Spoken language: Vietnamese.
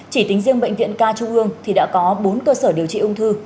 chỉ tính riêng bệnh viện ca trung ương thì đã có bốn cơ sở điều trị ung thư